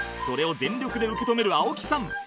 それを全力で受け止める青木さん